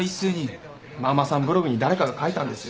ママさんブログに誰かが書いたんですよ。